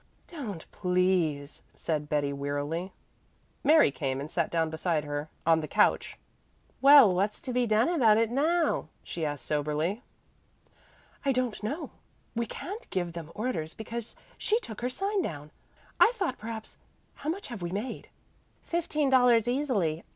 "Don't, please," said Betty wearily. Mary came and sat down beside her on the couch. "Well, what's to be done about it now?" she asked soberly. "I don't know. We can't give them orders because she took her sign down. I thought perhaps how much have we made?" "Fifteen dollars easily.